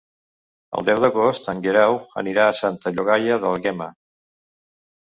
El deu d'agost en Guerau anirà a Santa Llogaia d'Àlguema.